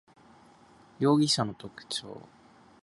容疑者の特徴